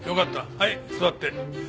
はい座って。